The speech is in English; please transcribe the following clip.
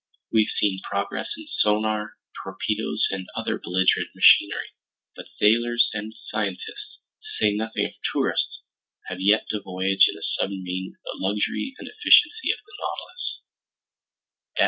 We've seen progress in sonar, torpedoes, and other belligerent machinery, but sailors and scientists—to say nothing of tourists—have yet to voyage in a submarine with the luxury and efficiency of the Nautilus.